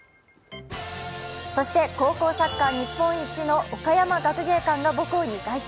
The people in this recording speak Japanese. そして高校サッカー日本一の岡山学芸館が母校に凱旋。